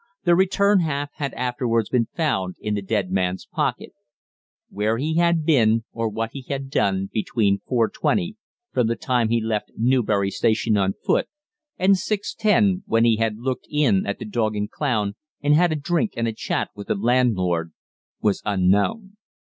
The return half had afterwards been found in the dead man's pocket. Where he had been, or what he had done, between 4:20 from the time he left Newbury station, on foot and 6:10, when he had looked in at the "Dog and Clown" and had a drink and a chat with the landlord, was unknown.